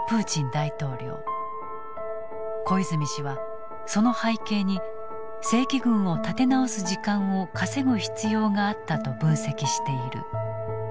小泉氏はその背景に正規軍を立て直す時間を稼ぐ必要があったと分析している。